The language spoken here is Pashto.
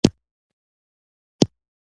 باران ځمکه شنه کوي.